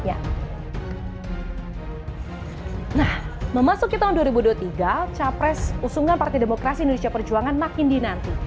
nah memasuki tahun dua ribu dua puluh tiga capres usungan partai demokrasi indonesia perjuangan makin dinanti